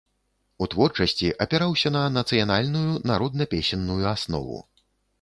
У творчасці апіраўся на нацыянальную народна-песенную аснову.